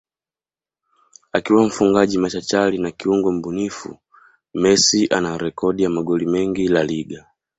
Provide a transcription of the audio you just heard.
akiwa mfungaji machachari na kiungo mbunifu Messi ana Rekodi ya magoli mengi La Liga